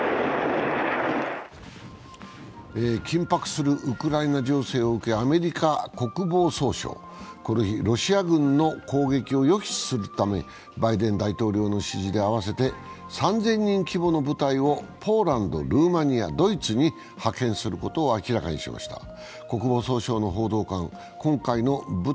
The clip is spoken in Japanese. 緊迫するウクライナ情勢を受け、アメリカ国防総省、この日、ロシア軍の攻撃を抑止するためバイデン大統領の指示で合わせて３０００人規模の部隊をポーランド、ルーマニア、ドイツに派遣することを明らかにしました。